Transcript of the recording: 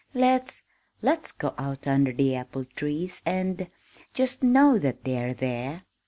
Let's let's go out under the apple trees and just know that they are there!"